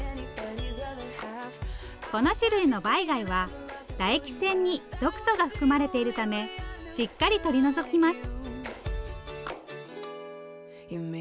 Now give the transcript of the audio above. この種類のバイ貝は唾液腺に毒素が含まれているためしっかり取り除きます。